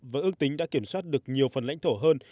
và ước tính đã kiểm soát được nhiều phần lãnh thổ hơn